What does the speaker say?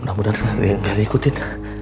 mudah mudahan tidak diikutin